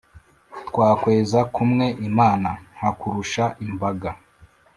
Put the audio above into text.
twakweza kumwe imana nkakurusha imbaga